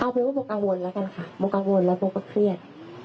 เอาเพียงว่าบอกกังวลแล้วกันค่ะบอกกังวลแล้วบอกก็เครียด